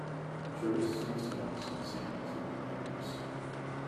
Tourists in socks and sandals look hilarious.